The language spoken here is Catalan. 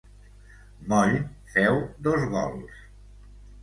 Moll féu dos gols.